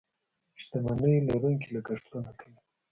شتمنيو لرونکي لګښتونه کوي.